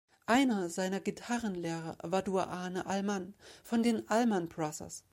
Einer seiner Gitarrenlehrer war Duane Allman von den Allman Brothers.